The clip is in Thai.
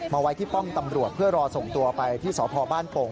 ไว้ที่ป้อมตำรวจเพื่อรอส่งตัวไปที่สพบ้านโป่ง